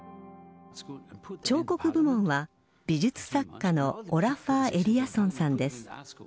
彫刻部門は美術作家のオラファー・エリアソンさんです。